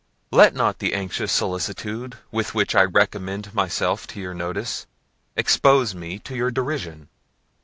Let not the anxious solicitude with which I recommend myself to your notice, expose me to your derision.